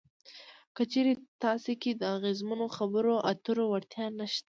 که چېرې تاسې کې د اغیزمنو خبرو اترو وړتیا نشته وي.